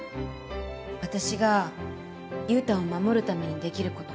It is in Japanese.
私が優太を守るためにできる事。